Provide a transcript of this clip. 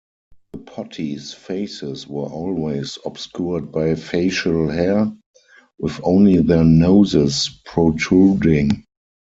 The Potties' faces were always obscured by facial hair, with only their noses protruding.